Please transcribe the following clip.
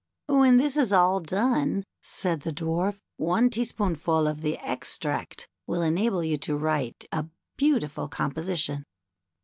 When this is all done," said the Dwarf, " one tea spoonful of the extract will enable you to write a beautiful composition."